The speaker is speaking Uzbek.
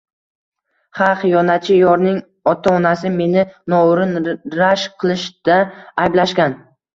Ha, xiyonatchi yorning ota-onasi meni noo`rin rashk qilishda ayblashgan